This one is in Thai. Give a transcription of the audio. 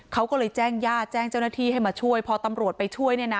เขาก็เลยแจ้งญาติแจ้งเจ้าหน้าที่ให้มาช่วยพอตำรวจไปช่วยเนี่ยนะ